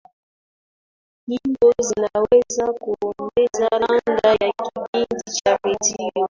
nyimbo zinaweza kuongeza ladha ya kipindi cha redio